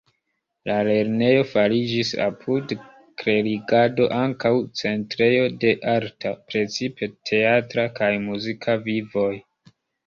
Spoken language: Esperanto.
La lernejo fariĝis apud klerigado ankaŭ centrejo de arta, precipe teatra kaj muzika vivoj.